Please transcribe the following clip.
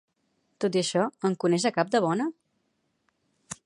Tot i això, en coneix a cap de bona?